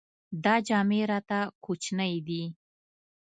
دا جامې راته کوچنۍ دي.